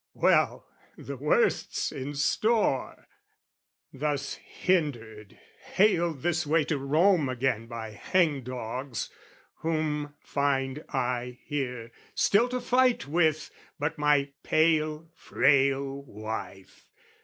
Well, The worst's in store: thus hindered, haled this way To Rome again by hangdogs, whom find I Here, still to fight with, but my pale frail wife?